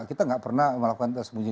kita gak pernah melakukan tersembunyi